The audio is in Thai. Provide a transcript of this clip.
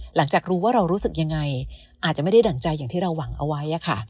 หลังจากรู้ว่าเรารู้สึกยังไงอาจจะไม่ได้ดั่งใจอย่างที่เราหวังเอาไว้ค่ะ